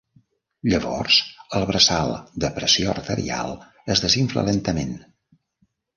Llavors el braçal de pressió arterial es desinfla lentament.